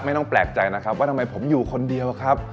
ไม่ต้องแปลกใจนะครับว่าทำไมผมอยู่คนเดียวครับ